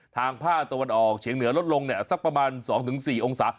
ทางภาคตะวันออกเฉียงเหนือลดลงสักประมาณ๒๔องศา